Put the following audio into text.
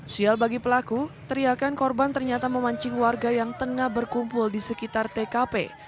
sial bagi pelaku teriakan korban ternyata memancing warga yang tengah berkumpul di sekitar tkp